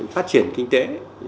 phát triển kinh tế